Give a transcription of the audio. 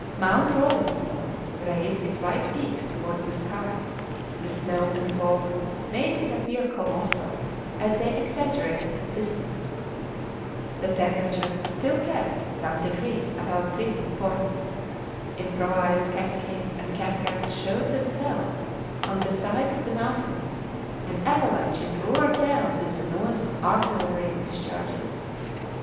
Mount Rawlinson raised its white peaks towards the sky; the snow and fog made it appear colossal, as they exaggerated its distance; the temperature still kept some degrees above freezing point; improvised cascades and cataracts showed themselves on the sides of the mountains, and avalanches roared down with the noise of artillery discharges.